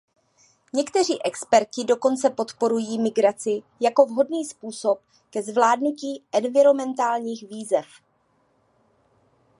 Někteří experti dokonce podporují migraci jako vhodný způsob ke zvládnutí environmentálních výzev.